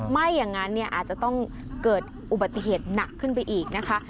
ไม่อย่างนั้นเนี่ยอาจจะต้องเกิดอุบัติเหตุหนักขึ้นไปอีกนะคะ